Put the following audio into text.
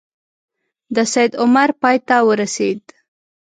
د سید عمر پای ته ورسېد.